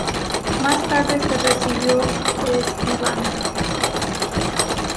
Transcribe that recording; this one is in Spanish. Más tarde se recibió de escribano.